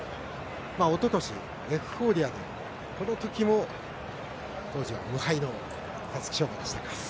おととし、エフフォーリアでこのときも、当時は無敗の皐月賞馬でしたか。